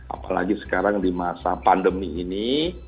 apalagi sekarang di masa pandemi ini